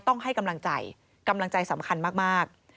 ต้องให้กำลังใจกำลังใจสำคัญมาก